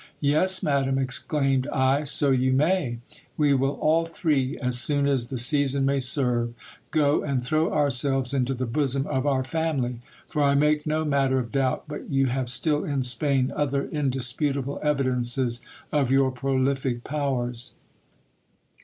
Yes, madam, exclaimed I, so you may. We will all three, as soon as the season may serve, go and throw our selves into the bosom of our familv : for I make no matter of doubt but you GIL BLAS. have still in Spain other indisputable evidences of your prolific powers.